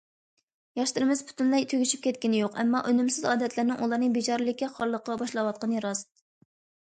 ياشلىرىمىز پۈتۈنلەي تۈگىشىپ كەتكىنى يوق، ئەمما ئۈنۈمسىز ئادەتلەرنىڭ ئۇلارنى بىچارىلىككە، خارلىققا باشلاۋاتقىنى راست.